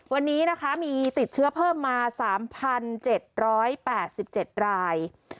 วันนี้นะคะมีติดเชื้อเพิ่มมา๓๗๘๗ราย